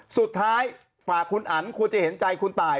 สุดท้ายฝากคุณอันควรจะเห็นใจคุณตาย